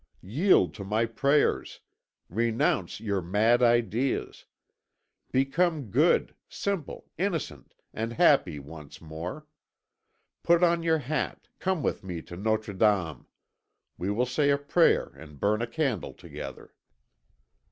Yield to my prayers, renounce your mad ideas; become good, simple, innocent, and happy once more. Put on your hat, come with me to Nôtre Dame. We will say a prayer and burn a candle together."